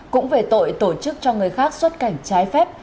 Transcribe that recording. cũng về tội tổ chức cho người khác xuất cảnh trái phép